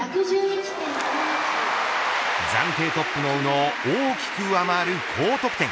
暫定トップの宇野を大きく上回る高得点。